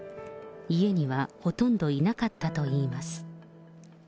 家にはほとんどいなかったといいます。